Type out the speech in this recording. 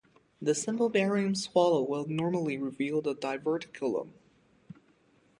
The simple barium swallow will normally reveal the diverticulum.